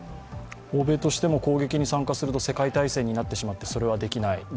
欧米としても攻撃に参加すると、世界大戦になってしまって、それはできない。